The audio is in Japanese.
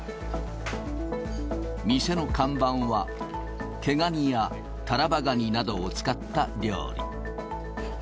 店の看板は、毛ガニやタラバガニなどを使った料理。